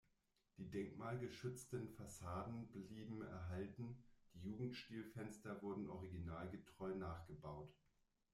Die denkmalgeschützten Fassaden blieben erhalten, die Jugendstil-Fenster wurden originalgetreu nachgebaut.